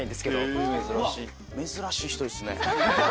うわっ珍しい人ですね。